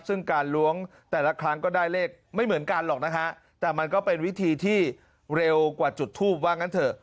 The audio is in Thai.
ซึ่งการล้วงแต่ละครั้งก็ได้เลขไม่เหมือนกันหรอกนะฮะแต่มันก็เป็นวิธีที่เร็วกว่าจุดทูบว่างั้นเถอะ